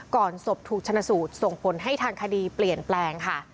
ศพถูกชนสูตรส่งผลให้ทางคดีเปลี่ยนแปลงค่ะ